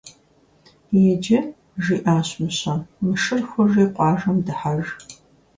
Иджы, - жиӀащ Мыщэм, - мы шыр хужи къуажэм дыхьэж.